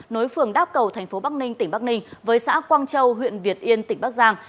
nối phường đáp cầu thành phố bắc ninh tỉnh bắc ninh với xã quang châu huyện việt yên tỉnh bắc giang